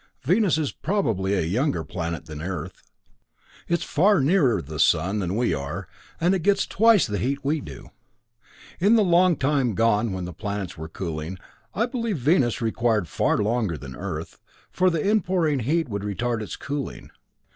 Venus is probably a younger planet than Earth. It's far nearer the sun than we are, and it gets twice the heat we do. In the long gone time when the planets were cooling I believe Venus required far longer than Earth, for the inpouring heat would retard its cooling.